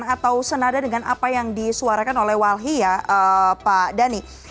atau senada dengan apa yang disuarakan oleh walhi ya pak dhani